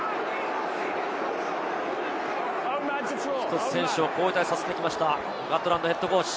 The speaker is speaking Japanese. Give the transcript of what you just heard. １つ選手を交代させてきましたガットランドＨＣ。